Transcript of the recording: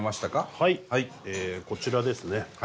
はいこちらですね。